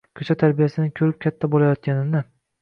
ko‘cha tarbiyasini ko‘rib katta bo‘layotganini